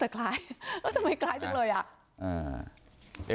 แต่คล้ายทำไมคล้ายจังเลยอ่ะ